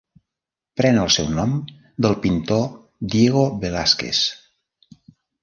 Pren el seu nom del pintor Diego Velázquez.